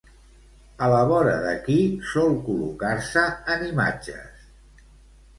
A la vora de qui sol col·locar-se en imatges?